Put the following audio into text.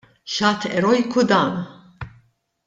X'att erojku dan!